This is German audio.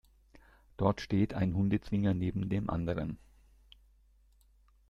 Dort steht ein Hundezwinger neben dem anderen.